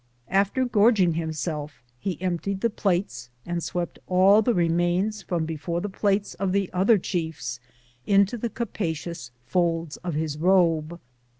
After gorging himself, he emptied the plates and swept all the remains from before the places of the other chiefs into the capacious folds of his robe.